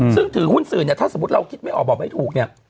ซึ่งถือหุ้นสื่อเนี่ยถ้าสมมุติเราคิดไม่ออกบอกไม่ถูกเนี่ย